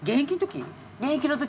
現役の時？